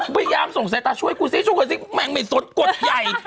พยายามส่งสายตาช่วยกูซิหมายความไม่สนกดใหญ่